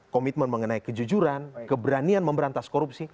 komitmen mengenai kejujuran keberanian memberantas korupsi